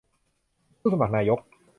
ผู้สมัครนายก